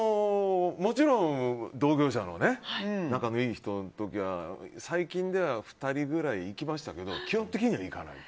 もちろん同業者の仲のいい人の時は最近では２人ぐらい行きましたけど基本的には行かない。